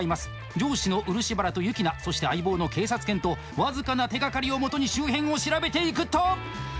上司の漆原とユキナそして相棒の警察犬と僅かな手がかりを元に周辺を調べていくと。